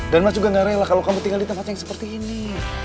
dan mas juga gak rela kalau kamu tinggal di tempat yang seperti ini